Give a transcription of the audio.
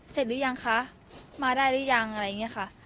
หรือยังคะมาได้หรือยังอะไรอย่างนี้ค่ะ